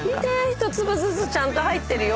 １粒ずつちゃんと入ってるよ。